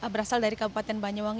berasal dari kabupaten banyuwangi